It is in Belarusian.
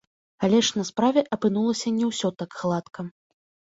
Але ж на справе апынулася не ўсё так гладка.